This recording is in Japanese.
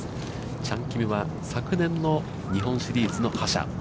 チャン・キムは昨年の日本シリーズの覇者。